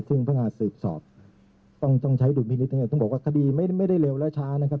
ซึ่งพนักงานสืบสอบต้องใช้ดุลพินิษฐ์ต้องบอกว่าคดีไม่ได้เร็วและช้านะครับ